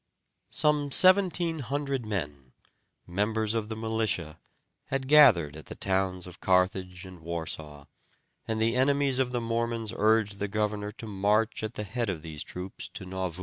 Some seventeen hundred men, members of the militia, had gathered at the towns of Carthage and Warsaw, and the enemies of the Mormons urged the governor to march at the head of these troops to Nauvoo.